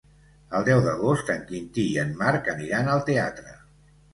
El deu d'agost en Quintí i en Marc aniran al teatre.